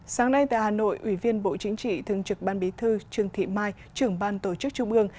sáng nay tại hà nội ủy viên bộ chính trị thường trực ban bí thư trương thị mai trưởng ban tổ chức trung ương